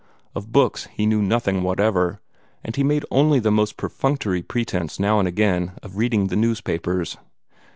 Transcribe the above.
Of books he knew nothing whatever, and he made only the most perfunctory pretence now and again of reading the newspapers.